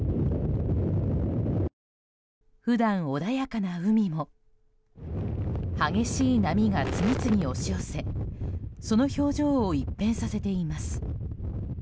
普段、穏やかな海も激しい波が次々押し寄せその表情を一変させています。